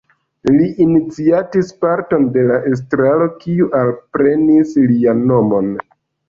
Li iniciatis parton de la strato kiu alprenis lian nomon.